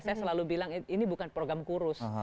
saya selalu bilang ini bukan program kurus